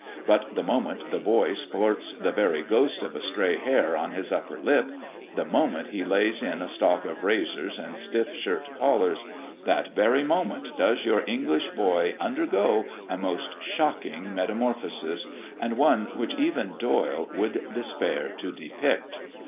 But the moment the boy sports the very ghost of a stray hair on his upper lip the moment he lays in a stock of razors and stiff shirt collars that very moment does your English boy undergo a most shocking metamorphosis, and one which even Doyle would despair to depict.